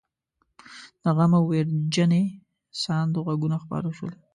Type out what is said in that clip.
د غم او ويرجنې ساندو غږونه خپاره شول.